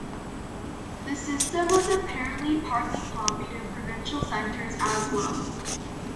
The system was apparently partly copied in provincial centres as well.